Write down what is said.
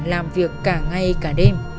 làm việc cả ngày cả đêm